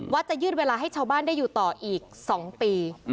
จะยืดเวลาให้ชาวบ้านได้อยู่ต่ออีก๒ปี